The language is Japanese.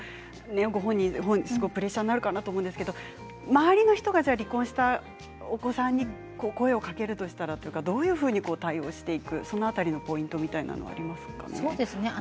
本人はプレッシャーになるかなと思うんですけれど周りの人が離婚したお子さんに声をかけるとしたらどういうふうに対応していくかその辺りのポイントみたいなものありますか？